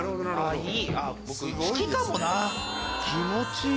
いい